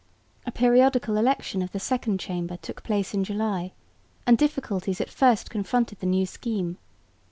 A periodical election of the Second Chamber took place in July, and difficulties at first confronted the new scheme.